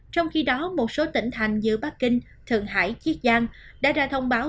trong khi đó một số tỉnh thành như bắc kinh thượng hải chiết giang đã ra thông báo